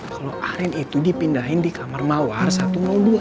kalo arin itu dipindahin di kamar mawar satu mau dua